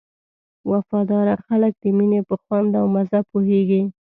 وفاداره خلک د مینې په خوند او مزه پوهېږي.